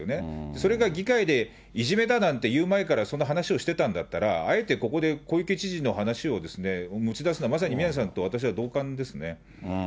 それが議会でいじめだなんて言う前からその話をしてたんだったら、あえてここで小池知事の話を持ち出すのは、まさに宮根さんと私は同感ですね。